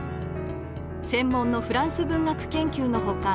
専門のフランス文学研究のほか